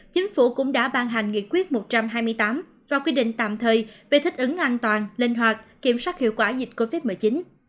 chính phủ cũng đã ban hành nghị quyết một trăm hai mươi tám và quy định tạm thời về thích ứng an toàn linh hoạt kiểm soát hiệu quả dịch covid một mươi chín